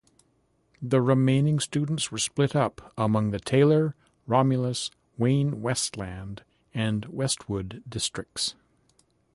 The remaining students were split up among the Taylor, Romulus, Wayne-Westland and Westwood districts.